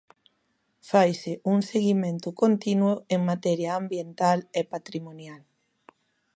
Faise un seguimento continuo en materia ambiental e patrimonial.